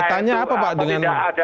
tanya apa pak dengan